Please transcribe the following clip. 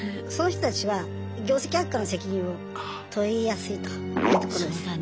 そういう人たちは業績悪化の責任を問いやすいというところです。